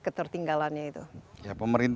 kalau mau jadi kira kira